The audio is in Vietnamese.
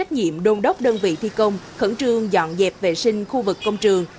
nhiệm đôn đốc đơn vị thi công khẩn trương dọn dẹp vệ sinh khu vực công trường